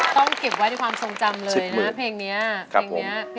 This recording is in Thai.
ต้องกินไว้ที่ความทรงจำเลยนะเพลงนี้